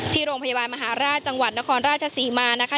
ที่โรงพยาบาลมหาราชจังหวัดนครราชศรีมานะคะ